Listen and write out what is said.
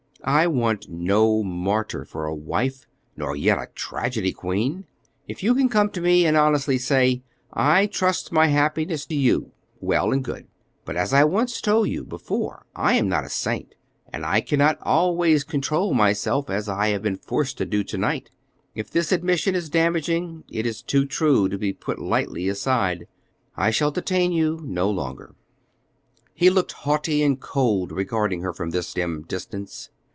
"I want no martyr for a wife, nor yet a tragedy queen. If you can come to me and honestly say, 'I trust my happiness to you,' well and good. But as I told you once before, I am not a saint, and I cannot always control myself as I have been forced to do tonight. If this admission is damaging, it is too true to be put lightly aside. I shall not detain you longer." He looked haughty and cold regarding her from this dim distance.